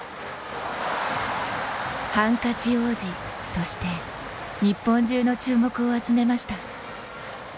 「ハンカチ王子」として日本中の注目を集めました。